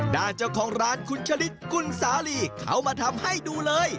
ด้านเจ้าของร้านคุณชะลิดคุณสาลีเขามาทำให้ดูเลย